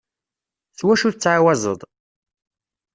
S wacu tettɛawazeḍ?